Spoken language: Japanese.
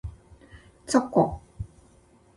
チョコ